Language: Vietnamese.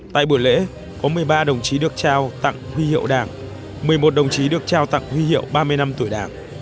tại buổi lễ có một mươi ba đồng chí được trao tặng huy hiệu đảng một mươi một đồng chí được trao tặng huy hiệu ba mươi năm tuổi đảng